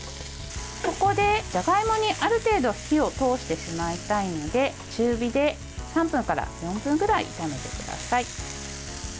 ここでじゃがいもに、ある程度火を通してしまいたいので中火で３分から４分ぐらい炒めてください。